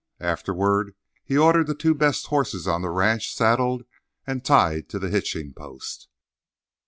Afterward he ordered the two best horses on the ranch saddled and tied to the hitching post.